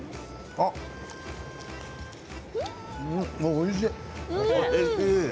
おいしい。